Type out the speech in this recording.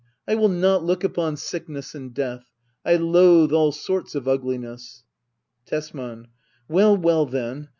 I will not look upon sickness and death. I loathe all sorts of ugliness. Tesman. Well, well, then